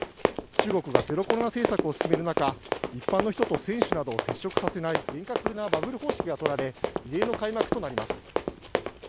中国がゼロコロナ政策を進める中一般の人と選手などを接触させない厳格なバブル方式が取られ異例の開幕となります。